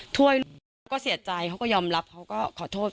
ถ้วยเขาก็เสียใจเขาก็ยอมรับเขาก็ขอโทษ